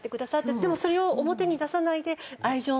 でもそれを表に出さないで愛情のある。